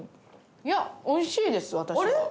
いや美味しいです私は。